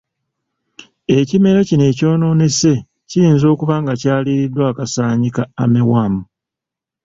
Ekimera kino ekyonoonese kiyinza okuba nga kyaliiriddwa akasaanyi ka armyworm.